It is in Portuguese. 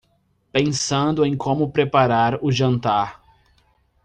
Pensando em como preparar o jantar